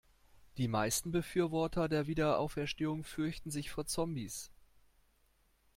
Die meisten Befürworter der Wiederauferstehung fürchten sich vor Zombies.